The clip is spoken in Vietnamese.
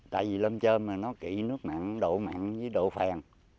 tại vì lâm trơm nó kỵ nước mặn độ mặn với độ phèn